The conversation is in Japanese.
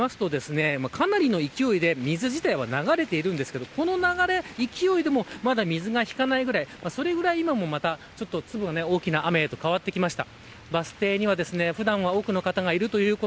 奥を見ますとかなりの勢いで水自体は流れているんですがこの流れ勢いでも、まだ水が引かないくらい、それくらい今も粒が大きい雨へと変わってきました。